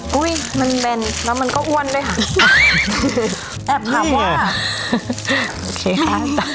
อ่าอุ้ยมันแบนแล้วมันก็อ้วนด้วยค่ะแอบถามว่านี่ไงโอเคค่ะ